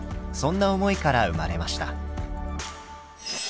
そんな思いから生まれました。